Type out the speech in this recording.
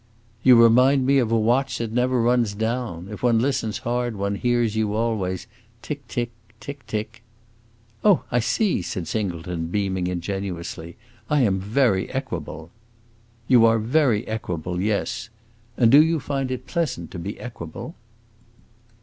"You remind me of a watch that never runs down. If one listens hard one hears you always tic tic, tic tic." "Oh, I see," said Singleton, beaming ingenuously. "I am very equable." "You are very equable, yes. And do you find it pleasant to be equable?"